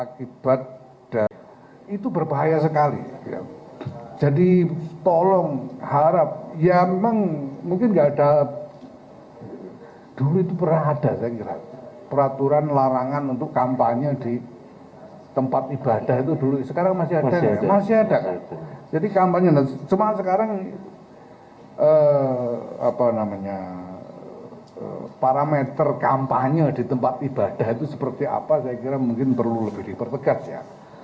cuma sekarang parameter kampanye di tempat ibadah itu seperti apa saya kira mungkin perlu lebih dipertegat ya